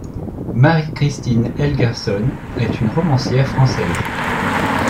Marie Christine Helgerson est une romancière française.